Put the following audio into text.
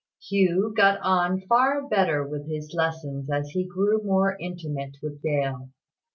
Hugh got on far better with his lessons as he grew more intimate with Dale.